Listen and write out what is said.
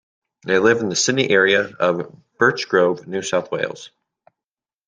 They live in the Sydney area of Birchgrove, New South Wales.